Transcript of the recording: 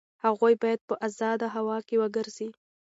هغوی باید په ازاده هوا کې وګرځي.